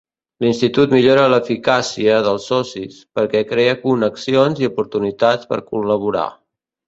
L"institut millora l"eficàcia dels socis, perquè crea connexions i oportunitats per col·laborar.